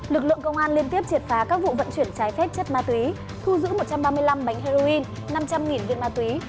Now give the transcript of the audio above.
lực lượng công an liên tiếp triệt phá các vụ vận chuyển trái phép chất ma túy thu giữ một trăm ba mươi năm bánh heroin năm trăm linh viên ma túy